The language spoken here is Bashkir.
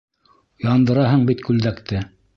Яндыраһың бит күлдәкте!